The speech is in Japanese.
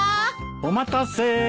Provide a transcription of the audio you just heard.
お待たせ。